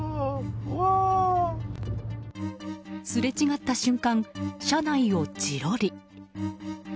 すれ違った瞬間車内をジロリ。